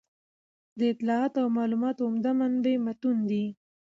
د اطلاعاتو او معلوماتو عمده منبع متون دي.